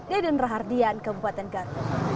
deden rahardian kabupaten gat